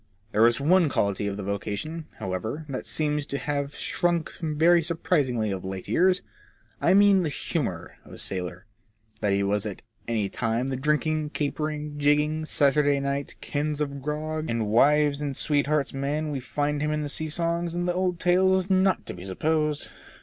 There is one quality of the vocation, however, that seems to me to have shrunk very surprisingly of late years. I mean the humour of the sailor. That he was at any time the drinking, capering, jigging, Saturday night, cans of grog, and wives and sweethearts' man we find him in the sea songs and the old tales is not to be supposed.